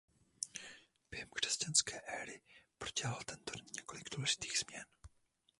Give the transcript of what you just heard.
Během křesťanské éry prodělal tento den několik důležitých změn.